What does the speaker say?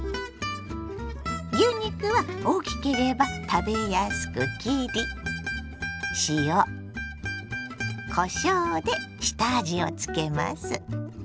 牛肉は大きければ食べやすく切り下味をつけます。